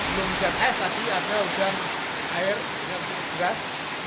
sebelum hujan es tadi ada hujan air yang bergeras